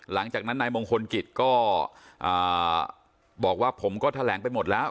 หลังจากนั้นนายมงคลกิจก็บอกว่าผมก็แถลงไปหมดแล้ว